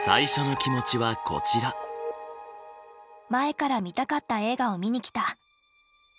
前から見たかった映画を見に来た。